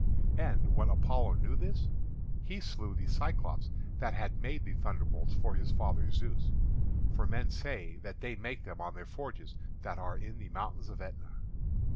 And when Apollo knew this, he slew the Cyclopés that had made the thunderbolts for his father Zeus, for men say that they make them on their forges that are in the mountain of Etna.